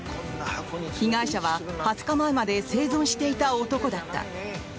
被害者は２０日前まで生存していた男だった。